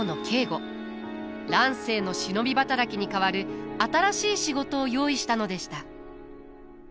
乱世の忍び働きに代わる新しい仕事を用意したのでした。